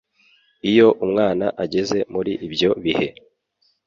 Iyo umwana ageze muri ibyo bihe,